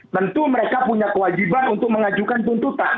tentu mereka punya kewajiban untuk mengajukan tuntutan